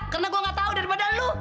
karena gua nggak tahu daripada lu